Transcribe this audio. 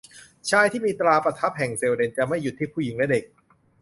ชายที่มีตราประทับแห่งเซลเดนจะไม่หยุดที่ผู้หญิงและเด็ก